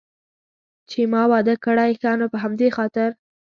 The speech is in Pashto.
چې ما واده کړی، ښه نو په همدې خاطر.